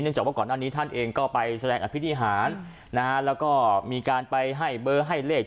จากว่าก่อนหน้านี้ท่านเองก็ไปแสดงอภินิหารนะฮะแล้วก็มีการไปให้เบอร์ให้เลข